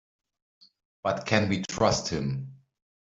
But can we trust him?